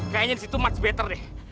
kayaknya disitu much better deh